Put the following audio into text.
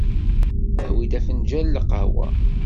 Awi-d afenǧal n lqahwa